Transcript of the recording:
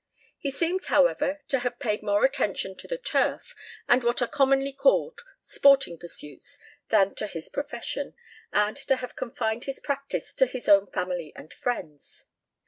He seems, however, to have paid more attention to the "turf," and what are commonly called sporting pursuits, than to his profession, and to have confined his practice to his own family and friends.